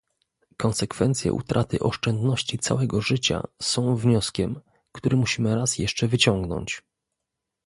Konsekwencje utraty oszczędności całego życia są wnioskiem, który musimy raz jeszcze wyciągnąć